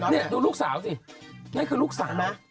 นี่ดูลูกสาวสินั่นคือลูกสาวไหม